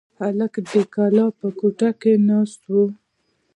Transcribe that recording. هلک د کلا په کوټه کې ناست و.